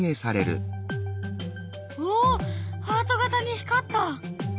おっハート形に光った！